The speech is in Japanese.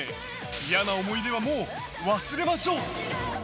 嫌な思い出はもう忘れましょう！